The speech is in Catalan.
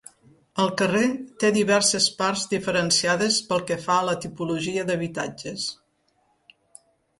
El carrer té diverses parts diferenciades pel que fa a la tipologia d'habitatges.